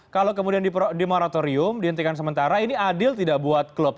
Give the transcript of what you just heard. kalau kemudian di moratorium dihentikan sementara ini adil tidak buat klub